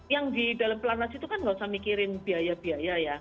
yang di dalam pelatnas itu kan nggak usah mikirin biaya biaya ya